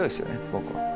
僕は。